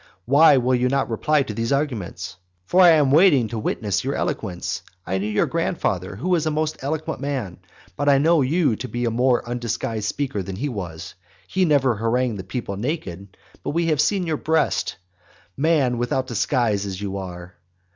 What will you now reply to these arguments? (for I am waiting to witness your eloquence; I knew your grandfather, who was a most eloquent man, but I know you to be a more undisguised speaker than he was; he never harangued the people naked; but we have seen your breast, man, without disguise as you are.)